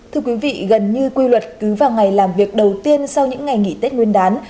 thưa quý vị gần như quy luật cứ vào ngày làm việc đầu tiên sau những ngày nghỉ tết nguyên đán